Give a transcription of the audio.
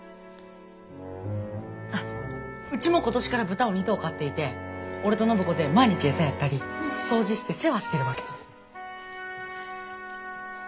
あっうちも今年から豚を２頭飼っていて俺と暢子で毎日餌やったり掃除して世話してるわけ。